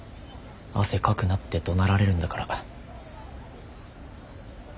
汗かくなってどなられるんだから。